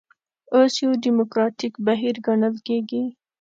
اوس یو ډیموکراتیک بهیر ګڼل کېږي.